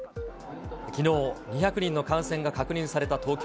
きのう、２００人の感染が確認された東京。